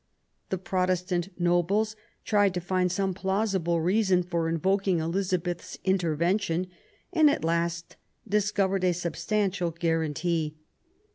The Protestant nobles tried to find some plausible reason for invoking Elizabeth's intervention, and at last discovered a substantial guarantee.